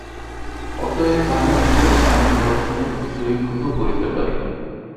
অতএব আমি নিজেকে আমার দর্শনের বিষয়ীভূত করিতে পারি না।